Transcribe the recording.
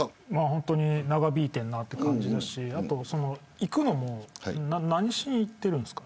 本当に長引いているなって感じだし行くのも何しに行ってるんですか。